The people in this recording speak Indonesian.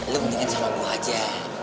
lo mendingin sama gue aja